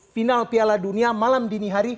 final piala dunia malam dini hari